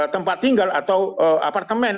tempat tinggal atau apartemen